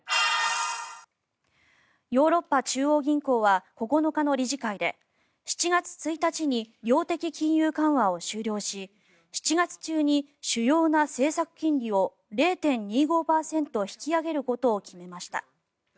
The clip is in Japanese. ヨーロッパ中央銀行は９日の理事会で７月１日に量的金融緩和を終了し７月中に主要な政策金利を０．２５％引き上げることを決めました。